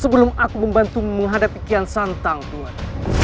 sebelum aku membantumu menghadapi kian santang tuhan